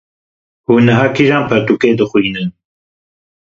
Hûn niha kîjan pirtûkê dixwînin?